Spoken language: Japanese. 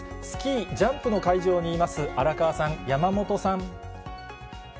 スキージャンプの会場にいます荒川さん、山本さん。